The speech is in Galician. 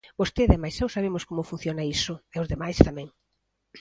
Vostede e mais eu sabemos como funciona iso, e os demais tamén.